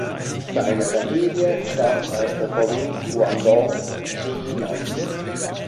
Seine Familie stammt aus der Provinz Guangdong in China.